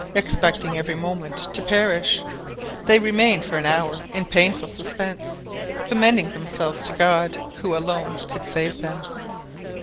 Expecting every moment to perish, they remained for an hour in painful suspense, commending themselves to God, who alone could save them.